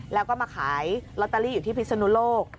แล้วก็มาขายลอตเตอรี่อยู่ที่พิศนุโลก